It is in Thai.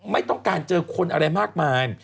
ไม่ต้องการเจอคนอะไรมากมาย